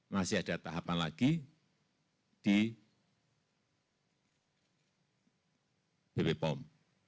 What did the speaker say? masih ada tahapan lagi di bepom